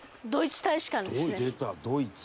「出たドイツ」